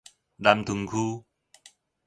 南屯區